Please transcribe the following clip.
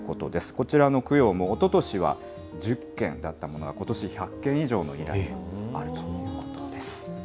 こちらの供養も、おととしは１０件だったものが、ことし１００件以上の依頼があるということです。